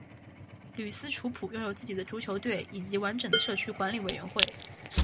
吕斯楚普拥有自己的足球队以及完整的社区管理委员会